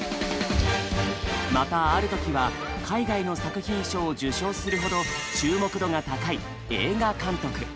またある時は海外の作品賞を受賞するほど注目度が高い映画監督。